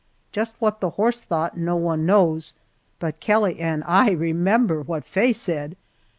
Just what the horse thought no one knows, but Kelly and I remember what Faye said!